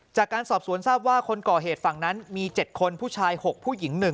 จากการสอบสวนทราบว่าคนก่อเหตุฝั่งนั้นมี๗คนผู้ชาย๖ผู้หญิง๑